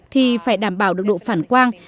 thì phải đảm bảo được độ phản quang